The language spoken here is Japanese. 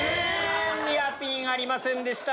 ニアピンありませんでした。